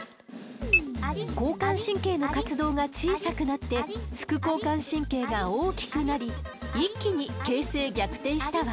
交感神経の活動が小さくなって副交感神経が大きくなり一気に形勢逆転したわ。